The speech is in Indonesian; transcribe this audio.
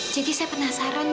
jadi saya penasaran bu